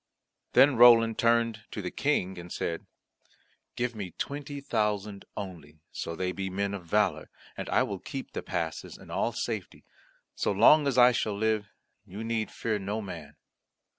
Then Roland turned to the King and said, "Give me twenty thousand only, so they be men of valour, and I will keep the passes in all safety. So long as I shall live, you need fear no man."